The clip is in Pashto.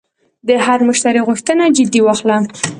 د هر مشتری غوښتنه جدي واخله.